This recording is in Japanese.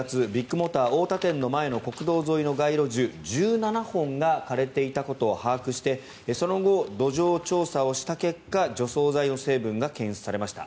モーター太田店の前の国道沿いの街路樹１７本が枯れていたことを把握してその後、土壌調査をした結果除草剤の成分が検出されました。